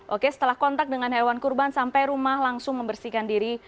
oke setelah kontak dengan hewan kurban sampai rumah langsung membersihkan diri